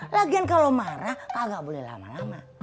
lagian kalau marah nggak boleh lama lama